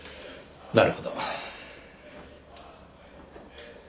なるほど。